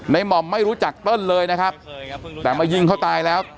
หม่อมไม่รู้จักเติ้ลเลยนะครับแต่มายิงเขาตายแล้ว